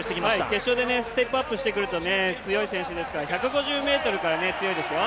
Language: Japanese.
決勝でステップアップしてくると強い選手ですから１５０ｍから強いですよ。